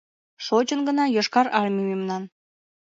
Шочын гына Йошкар Армий мемнан.